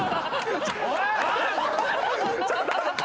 ちょっと待って。